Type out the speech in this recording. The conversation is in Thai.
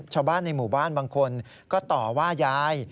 ชาวบ้านในหมู่บ้านบางคนก็ต่อว่ายาย